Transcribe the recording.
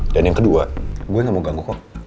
dan yang kedua gue gak mau ganggu kok